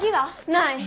ない。